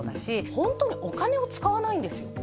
ホントにお金を使わないんですよ